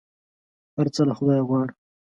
هر څه له خدایه غواړه !